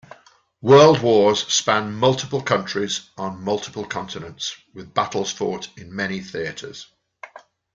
World wars span multiple countries on multiple continents, with battles fought in many theaters.